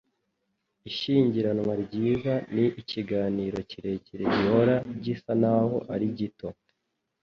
Ishyingiranwa ryiza ni ikiganiro kirekire gihora gisa naho ari gito.”